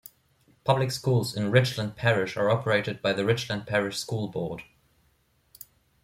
Public schools in Richland Parish are operated by the Richland Parish School Board.